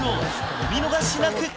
お見逃しなく！